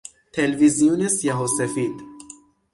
تلویزیون سیاه و سفید